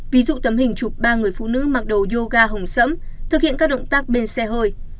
ví dụ tấm hình chụp ba người phụ nữ mặc đồ yoga hồng sẫm thực hiện các động tác bên xe hơi